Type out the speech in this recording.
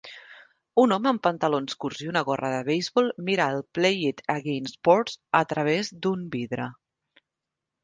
Un home amb pantalons curts i una gorra de beisbol mira el Play It Again Sports a través d'un vidre.